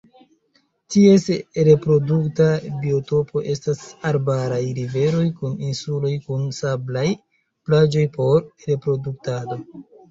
Ties reprodukta biotopo estas arbaraj riveroj kun insuloj kun sablaj plaĝoj por reproduktado.